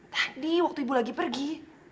tadi waktu ibu lagi pergi